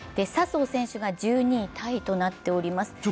笹生選手が１２位タイとなっております。